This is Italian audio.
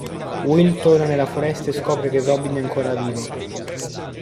Will torna nella foresta e scopre che Robin è ancora vivo.